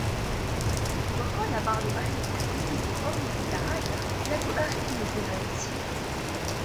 وَقَالَ بَعْضُ أَهْلِ التَّأْوِيلِ فِي قَوْله تَعَالَى لَا تُؤَاخِذْنِي بِمَا نَسِيتُ